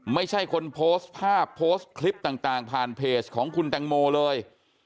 ไม่ใช่คนโพสต์ภาพโพสต์คลิปต่างผ่านเพจของคุณแตงโมเลย